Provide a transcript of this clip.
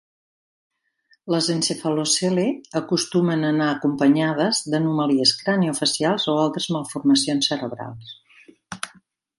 Les encefalocele acostumen a anar acompanyades d'anomalies craniofacial o altres malformacions cerebrals.